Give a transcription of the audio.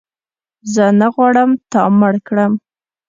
زه نه غواړم تا مړ کړم